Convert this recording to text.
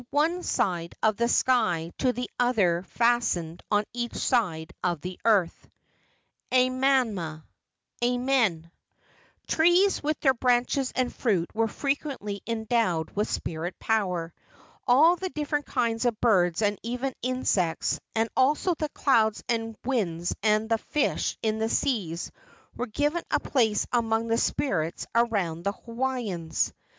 one side of the sky to the other fastened on each side of the earth]. Amama [Amen]." Trees with their branches and fruit were frequently en¬ dowed with spirit power. All the different kinds of birds and even insects, and also the clouds and winds and the fish in the seas were given a place among the spirits around the Hawaiians.